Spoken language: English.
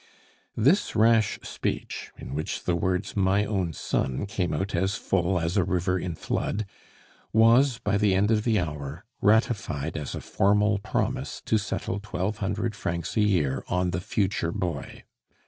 This rash speech, in which the words "my own son" came out as full as a river in flood, was, by the end of the hour, ratified as a formal promise to settle twelve hundred francs a year on the future boy.